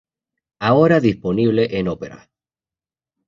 Ahora disponible en Opera.